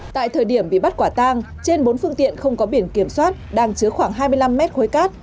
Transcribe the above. tại thời điểm bị bắt quả tang trên bốn phương tiện không có biển kiểm soát đang chứa khoảng hai mươi năm mét khối cát